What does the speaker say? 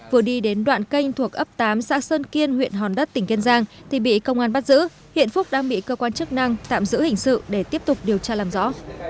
vừa đi đến đoạn kênh thuộc ấp tám xã sơn kiên huyện hòn đất tỉnh kiên giang thì bị công an bắt giữ hiện phúc đang bị cơ quan chức năng tạm giữ hình sự để tiếp tục điều tra làm rõ